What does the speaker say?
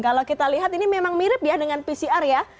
kalau kita lihat ini memang mirip ya dengan pcr ya